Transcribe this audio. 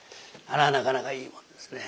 あれはなかなかいいもんですね。